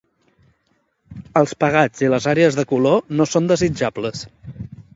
Els pegats i les àrees de color no són desitjables.